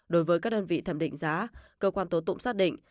đối với các đơn vị thẩm định giá cơ quan tố tụng xác định